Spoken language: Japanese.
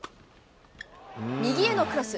右へのクロス。